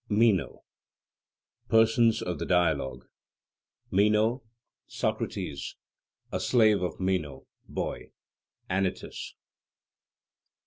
MENO PERSONS OF THE DIALOGUE: Meno, Socrates, A Slave of Meno (Boy), Anytus.